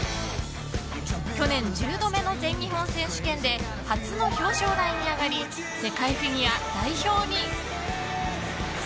去年１０度目の全日本選手権で初の表彰台に上がり世界フィギュア代表に。